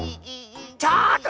ちょっと！